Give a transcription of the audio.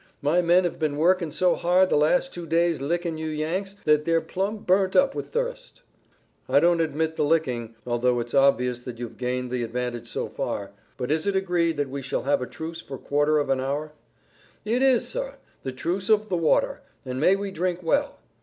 My men have been working so hard the last two days licking you Yanks that they're plum' burnt up with thirst." "I don't admit the licking, although it's obvious that you've gained the advantage so far, but is it agreed that we shall have a truce for a quarter of an hour?" "It is, sir; the truce of the water, and may we drink well!